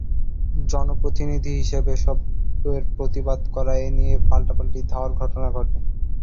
জনপ্রতিনিধি হিসেবে এসবের প্রতিবাদ করায় এ নিয়ে পাল্টাপাল্টি ধাওয়ার ঘটনা ঘটে।